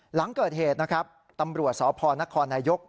หลังเกิดเหตุนะครับตำรวจสพนครนายก